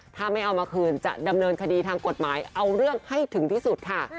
ถ้าไม่เอามาคืนจะดำเนินคดีทางกฎหมายเอาเรื่องให้ถึงที่สุดค่ะ